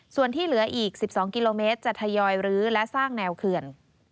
ส่วนที่เหลืออีก๑๒กิโลเมตรจะทยอยรื้อและสร้างแนวเขื่อน